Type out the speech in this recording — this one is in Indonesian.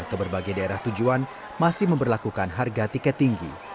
ke berbagai daerah tujuan masih memperlakukan harga tiket tinggi